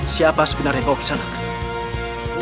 siapa sebenarnya bau kisahmu